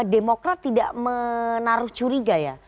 demokrat tidak menaruh curiga ya